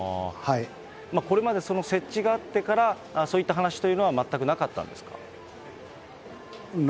これまで設置があってから、そういった話というのは全くなかったんですか。